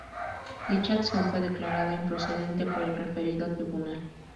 Dicha acción fue declarada improcedente por el referido Tribunal.